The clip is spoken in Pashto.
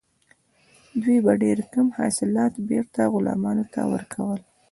دوی به ډیر کم حاصلات بیرته غلامانو ته ورکول.